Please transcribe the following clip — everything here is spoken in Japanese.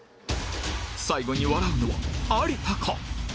最後に笑うのは有田か？